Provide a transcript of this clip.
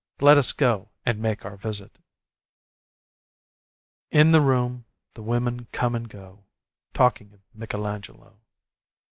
Let us go and make our visit. In the room the women come and go Talking of Michelangelo.